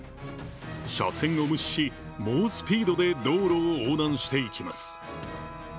車線を無視し、猛スピードで道路を横断していきます。